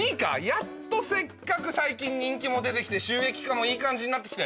やっとせっかく最近人気も出て来て収益化もいい感じになって来て。